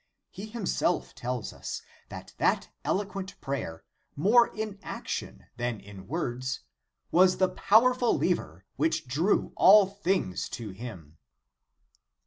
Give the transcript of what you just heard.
He Himself tells us that that elo quent prayer, more in action than in words, was the powerful lever which drew all things to Him.